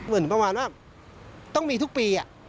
เหมือนประมาณว่าต้องมีทุกปี